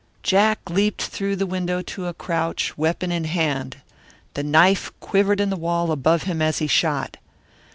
Jack leaped through the window to a crouch, weapon in hand. The knife quivered in the wall above him as he shot.